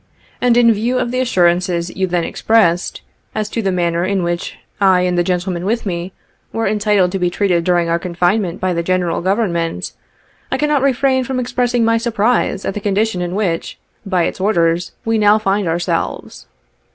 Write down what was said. , and in view of the assurances you then expressed . as to the manner in which I and the gentlemen with me, were entitled to be treated during our confinement by the General Government, I cannot refrain from expressing my surprise, at the condition in which, by its ord< rs, we now find ourselves.